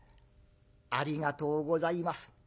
「ありがとうございます。